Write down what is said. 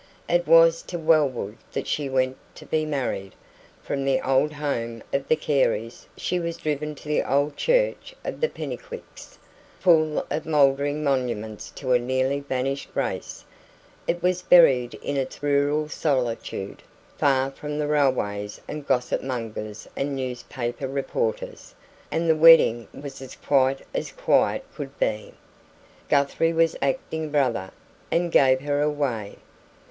It was to Wellwood that she went to be married. From the old home of the Careys she was driven to the old church of the Pennycuicks, full of mouldering monuments to a nearly vanished race; it was buried in its rural solitude, far from railways and gossip mongers and newspaper reporters, and the wedding was as quiet as quiet could be. Guthrie was acting brother, and gave her away.